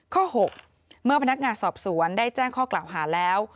ข้อ๖เมื่อพนักงานสอบสวนได้แจ้งข้อกล่าวหาแล้ว